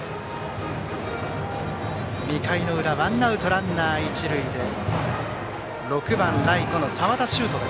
２回の裏ワンアウトランナー、一塁で打者は６番ライトの澤田秀翔。